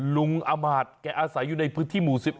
ลุงอำมาตย์แกอาศัยอยู่ในพื้นที่หมู่๑๑